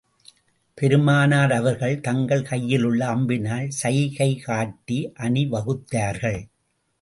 பெருமானார் அவர்கள் தங்கள் கையிலுள்ள அம்பினால் சைகை காட்டி அணி வகுத்தார்கள்.